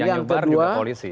yang nyobar juga polisi ya